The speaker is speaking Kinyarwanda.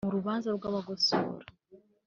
mu rubanza rwa bagosora